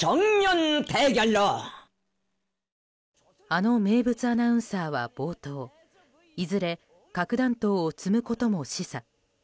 あの名物アナウンサーは冒頭いずれ核弾頭を積むことも示唆。